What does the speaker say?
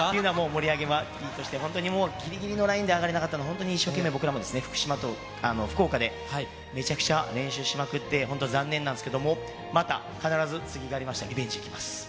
盛り上げはいいとして、本当にぎりぎりのラインで上がれなかったのは、本当に一生懸命僕らもですね、福島と福岡で、めちゃくちゃ練習しまくって、本当、残念なんですけれども、また必ず、次がありましたら、リベンジに来ます。